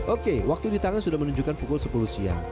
oke waktu di tangan sudah menunjukkan pukul sepuluh siang